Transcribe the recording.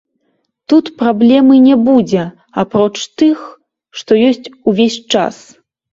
Тут праблемы не будзе апроч тых, што ёсць увесь час.